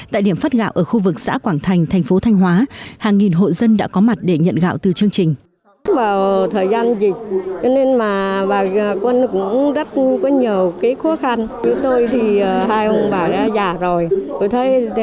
tại điểm phát gạo ở khu vực xã quảng thành thành phố thanh hóa hàng nghìn hội dân đã có mặt để nhận gạo từ chương trình